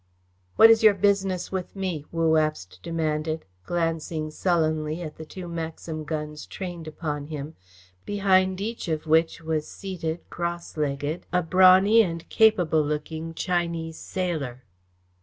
"What is your business with me?" Wu Abst demanded, glancing sullenly at the two Maxim guns trained upon him, behind each of which was seated, cross legged, a brawny and capable looking Chinese sailor.